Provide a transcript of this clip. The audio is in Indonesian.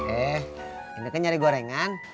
eh ini kan nyari gorengan